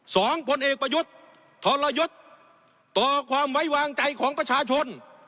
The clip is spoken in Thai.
ผลเอกประยุทธ์ทรยศต่อความไว้วางใจของประชาชน